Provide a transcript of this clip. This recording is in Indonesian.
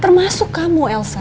termasuk kamu elsa